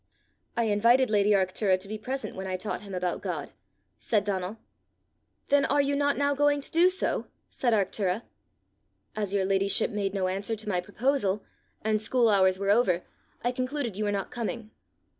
"I invited lady Arctura to be present when I taught him about God," said Donal. "Then are you not now going to do so?" said Arctura. "As your ladyship made no answer to my proposal, and school hours were over, I concluded you were not coming."